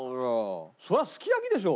それはすき焼きでしょ。